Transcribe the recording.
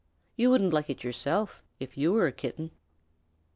You wouldn't like it yourself, if you were a Kitten.